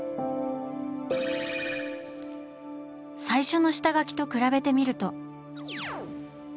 最初の下描きと比べてみると。